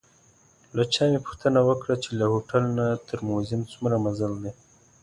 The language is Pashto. له چا مې پوښتنه وکړه چې له هوټل نه تر موزیم څومره مزل دی.